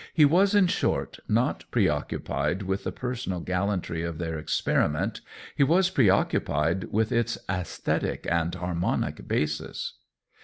He was, in short, not preoccupied with the personal gallantry of their experiment ; he was preoccupied with its "aesthetic and harmonic basis."